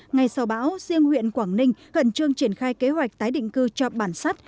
ngay sau bão riêng huyện quảng ninh gần trương triển khai kế hoạch tái định cư cho bản sát